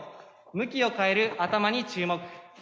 向きを変える頭に注目！